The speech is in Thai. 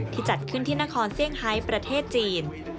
จัดขึ้นที่นครเซี่ยงไฮประเทศจีน